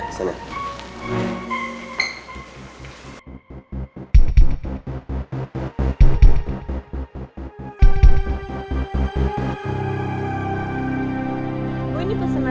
bu ini pesenannya